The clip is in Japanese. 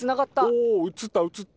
お映った映った。